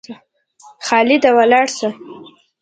خالده ولاړ سه!